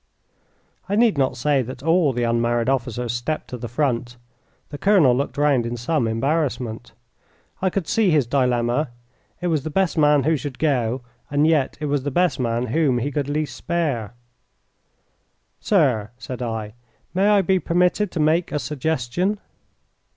I need not say that all the unmarried officers stepped to the front. The colonel looked round in some embarrassment. I could see his dilemma. It was the best man who should go, and yet it was the best man whom he could least spare. "Sir," said I, "may I be permitted to make a suggestion?"